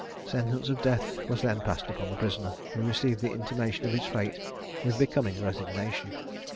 Sentence of death was then passed upon the prisoner, who received the intimation of his fate with becoming resignation.